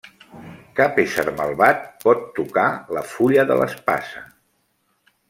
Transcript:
Cap ésser malvat pot tocar la fulla de l'espasa.